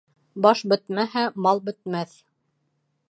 Баш бөтмәһә, мал бөтмәҫ.